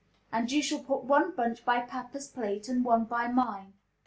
And you shall put one bunch by papa's plate, and one by mine."